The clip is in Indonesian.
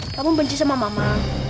kamu benci sama mama